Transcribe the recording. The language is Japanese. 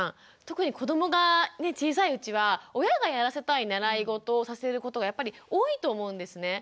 特に子どもが小さいうちは親がやらせたい習いごとをさせることがやっぱり多いと思うんですね。